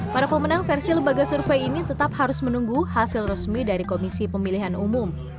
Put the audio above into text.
para pemenang versi lembaga survei ini tetap harus menunggu hasil resmi dari komisi pemilihan umum